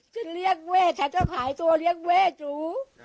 ฉันเรียกแม่ฉันจะขายตัวเรียกแม่จู